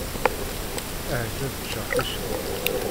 Ahat ad ččeɣ ticki.